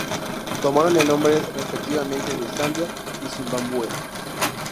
Tomaron el nombre, respectivamente, de Zambia y Zimbabue.